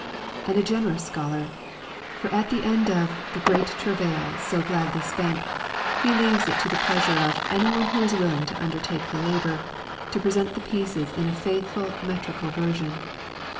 And a generous scholar ; for at the end of * the great travail so gladly spent,"* he leaves it to the pleasure of ' anyone who is willing to undertake the labour ... to present the pieces in a faithful metrical version.""